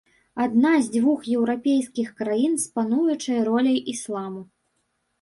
Адна з дзвюх еўрапейскіх краін з пануючай роляй ісламу.